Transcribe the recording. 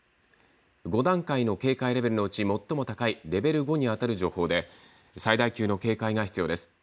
５段階の警戒レベルのうち最も高いレベル５にあたる情報で最大級の警戒が必要です。